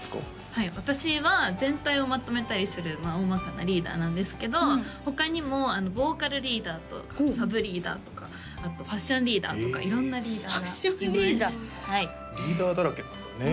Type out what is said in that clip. はい私は全体をまとめたりするおおまかなリーダーなんですけど他にもボーカルリーダーとかサブリーダーとかあとファッションリーダーとか色んなリーダーがいますリーダーだらけなんだね